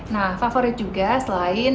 nah favorit juga selain